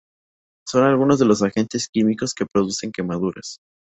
Son algunos de los agentes químicos que producen quemaduras.